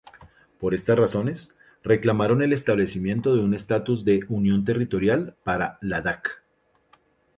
Por estas razones, reclamaron el establecimiento de un estatus de unión territorial para Ladakh.